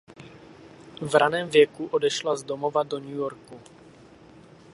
V raném věku odešla z domova do New Yorku.